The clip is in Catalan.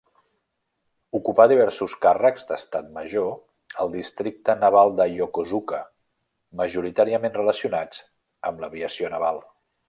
Ocupà diversos càrrecs d'estat major al Districte Naval de Yokosuka, majoritàriament relacionats amb l'aviació naval.